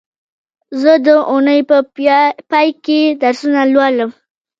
زه د اونۍ په پای کې درسونه لولم